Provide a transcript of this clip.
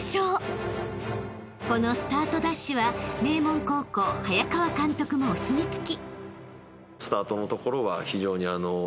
［このスタートダッシュは名門高校早川監督もお墨付き］